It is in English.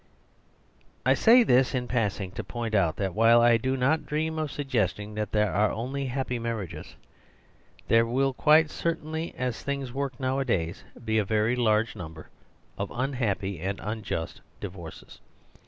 I say this in passing, to point out that while I do not dream of suggesting that there are only happy marriages, there will quite ccr The Tragedies of Marriage 121 tainly, as things work nowadays, be a very large number of unhappy and unjust divorces.